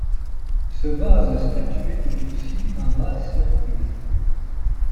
Ce vase statuette est aussi un vase-surprise.